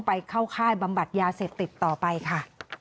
ไปเข้าค่ายบำบัดยาเสพติดต่อไปค่ะ